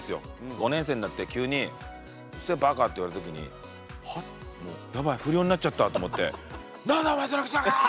５年生になって急に「うるせえバカ」って言われた時に「は？やばい不良になっちゃった」と思って「なんだお前その口の利き方は！」。